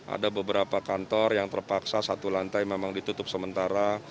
ada beberapa kantor yang terpaksa satu lantai memang ditutup sementara